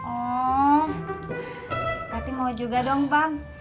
oh tati mau juga dong bang